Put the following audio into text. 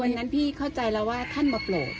วันนั้นพี่เข้าใจแล้วว่าท่านมาโปรด